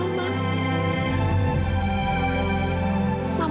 jangan bohongin mila soal penyakit mama